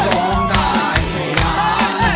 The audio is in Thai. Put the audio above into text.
ล้อมได้ให้ร้าน